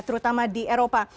terutama di eropa